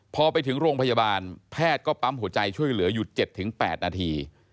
พอไปถึงโรงพยาบาลแพทย์ก็ปั๊มหัวใจช่วยเหลืออยู่๗๘นาที